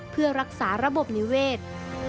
เพื่อรักษาระบบนิเวศ